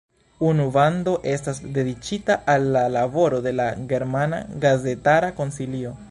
Unu vando estas dediĉita al la laboro de la Germana Gazetara Konsilio.